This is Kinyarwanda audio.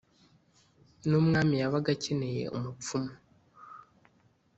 n'umwami yabaga akeneye umupfumu